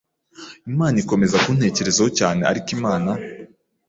Imana ikomeza kuntekerezaho cyane ariko Imana